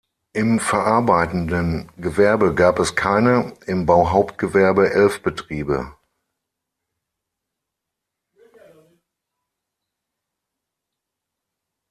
Im verarbeitenden Gewerbe gab es keine, im Bauhauptgewerbe elf Betriebe.